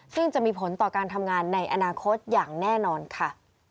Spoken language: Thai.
ซึ่งจะมีผลต่อการทำงานในอนาคตอย่างแน่นอนค่ะ